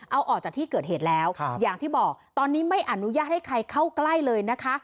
เอาออกจากที่เกิดเหตุแล้วอย่างที่บอกตอนนี้ไม่อนุญาตให้ใครเข้าใกล้เลยนะคะ